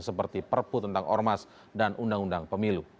seperti perpu tentang ormas dan undang undang pemilu